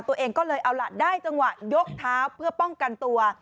ตัวเองก็เลยเอาล่ะได้จังหวะยกเท้าเพื่อป้องกันตัว